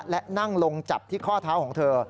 และนั่งลงจับที่ข้อเท้าของเธอ